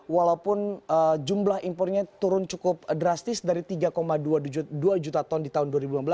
walaupun jumlah impornya turun cukup drastis dari tiga dua juta ton di tahun dua ribu lima belas